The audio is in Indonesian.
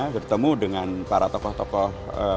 bertemu dengan para tokoh tokoh